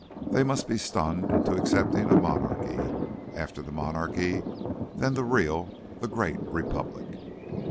They must be stunned into accepting a monarchy. After the monarchy, then the real, the great Republic."